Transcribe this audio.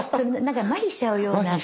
麻痺しちゃうような。